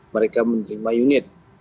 mereka menerima unit